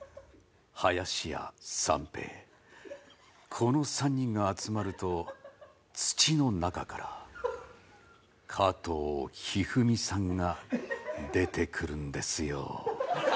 この３人が集まると土の中から加藤一二三さんが出てくるんですよ。